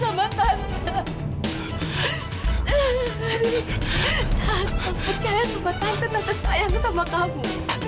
saat tak percaya sama tante tante sayang sama kamu